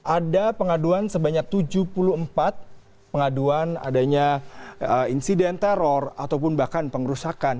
ada pengaduan sebanyak tujuh puluh empat pengaduan adanya insiden teror ataupun bahkan pengerusakan